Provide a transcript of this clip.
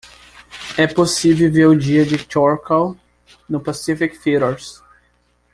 É possível ver O Dia do Chacal no Pacific Theatres